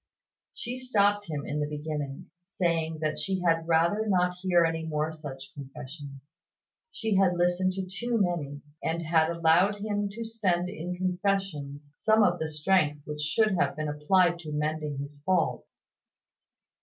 She stopped him in the beginning, saying that she had rather not hear any more such confessions. She had listened to too many, and had allowed him to spend in confessions some of the strength which should have been applied to mending his faults.